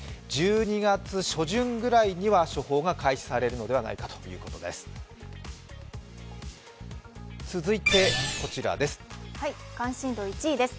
１２月初旬ぐらいには処方が開始されるのではないかということです。